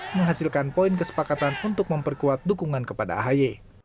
menghasilkan poin kesepakatan untuk memperkuat dukungan kepada ahy